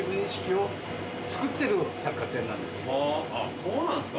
あっそうなんですか。